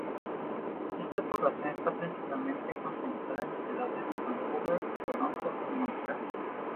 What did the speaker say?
Esta población está principalmente concentrada en las ciudades de Vancouver, Toronto y Montreal.